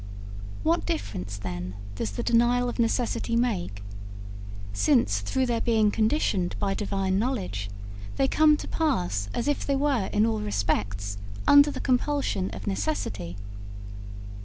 'What difference, then, does the denial of necessity make, since, through their being conditioned by Divine knowledge, they come to pass as if they were in all respects under the compulsion of necessity?